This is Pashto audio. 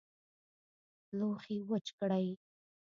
لوښي وچ کړئ